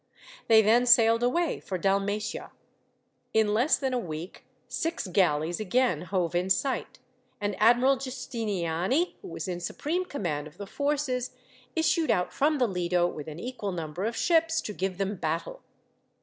They then sailed away for Dalmatia. In less than a week six galleys again hove in sight; and Admiral Giustiniani, who was in supreme command of the forces, issued out from the Lido, with an equal number of ships, to give them battle.